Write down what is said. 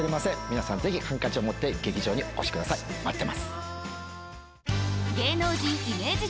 皆さんぜひハンカチを持って劇場にお越しください待ってます。